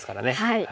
はい。